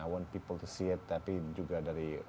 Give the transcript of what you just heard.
i want people to see it tapi juga dari